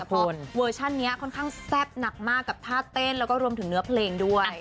เพราะเวอร์ชันนี้ค่อนข้างแซ่บหนักมากกับท่าเต้นแล้วก็รวมถึงเนื้อเพลงด้วย